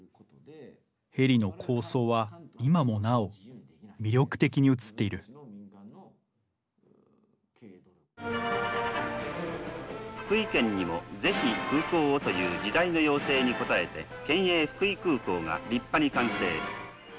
ヘリの構想は今もなお魅力的にうつっている「福井県にも是非空港をという時代の要請に応えて県営福井空港が立派に完成」。